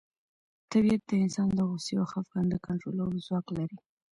طبیعت د انسان د غوسې او خپګان د کنټرولولو ځواک لري.